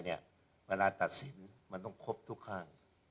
เวลาตัดสินมันต้องครบทุกข้าง